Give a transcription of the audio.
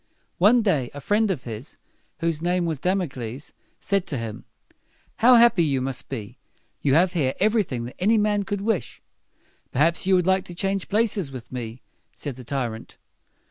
One day a friend of his, whose name was Dam´o cles, said to him, "How happy you must be! You have here everything that any man could wish." "Perhaps you would like to change places with me," said the tyrant.